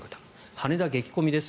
羽田激混みです。